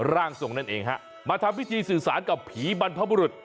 ร่างทรงนั่นเองฮะมาทำพิธีสื่อสารกับผีบรรพบุรุษ